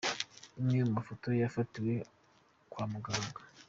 Imwe mu mafoto yafatiwe kwa muganga.